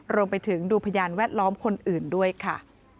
รวมไปถึงดูพยานแวดล้อมคนอื่นด้วยค่ะ